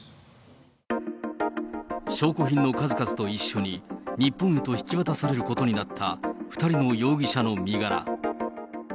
証拠品の数々と一緒に日本へと引き渡されることになった２人の容疑者の身柄。